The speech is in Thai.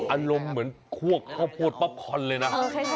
อารมณ์เหมือนควกข้อโผสก์ป๊อบคอนเลยนะ